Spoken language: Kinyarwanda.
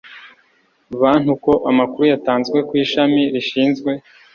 bantu ko amakuru yatanzwe ku ishami rishinzwe